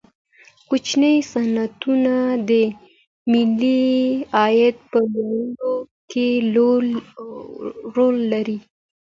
کوچني صنعتونه د ملي عاید په لوړولو کې رول لري.